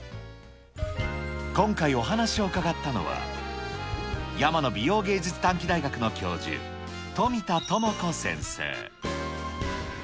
今回、お話を伺ったのは、山野美容芸術短期大学の教授、富田知子先生。